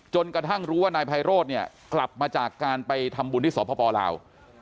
จนกระทั่งรู้ว่านายไพโรธเนี่ยกลับมาจากการไปทำบุญที่สปลาว